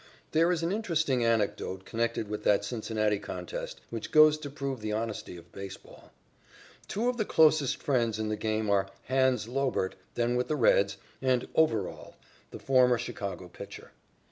There is an interesting anecdote connected with that Cincinnati contest which goes to prove the honesty of baseball. Two of the closest friends in the game are "Hans" Lobert, then with the Reds, and Overall, the former Chicago pitcher.